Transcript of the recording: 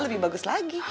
lebih bagus lagi